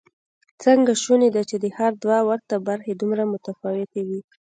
څنګه شونې ده چې د ښار دوه ورته برخې دومره متفاوتې وي؟